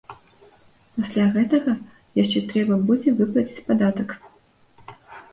Пасля гэтага яшчэ трэба будзе выплаціць падатак.